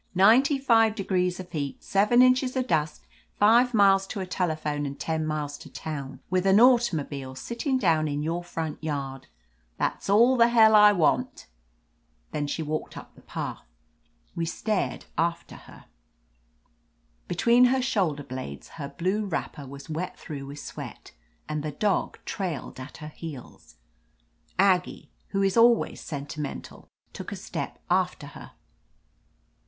"Ninety five degrees of heat, seven inches of dust, five miles to a telephone and ten miles to town, with an automobile sittin' down in your front yard — ^that's all the hell I want" Then she walked up the path. We stared after her ; between her shoulder blades her blue 237 THE AMAZING ADVENTURES wrapper was wet through with sweat, and the dog trailed at her heels. Aggie, who is always sentimental, took a step after her.